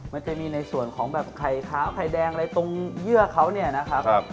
มันจะมีในส่วนของแบบไข่ขาวไข่แดงอะไรตรงเยื่อเขาเนี่ยนะครับ